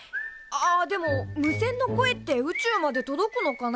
あっでも無線の声って宇宙まで届くのかな？